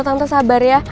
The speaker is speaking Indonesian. tante sabar ya